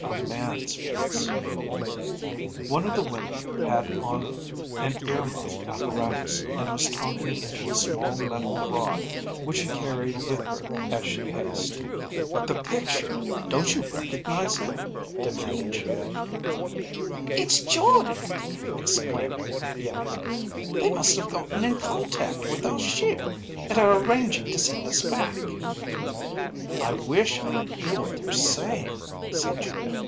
A man's face. One of the women had on an ear muff apparatus and was talking into a small metal rod which she carried with her as she paced. "But the picture! Don't you recognize him?" demanded Geo. "It's Jordde!" exclaimed Iimmi. "They must have gotten in contact with our ship and are arranging to send us back." "I wish I could hear what they're saying," said Geo.